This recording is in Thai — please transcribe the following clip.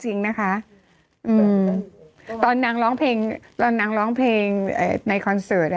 จริงนะคะอืมตอนนางร้องเพลงตอนนางร้องเพลงในคอนเสิร์ตอ่ะ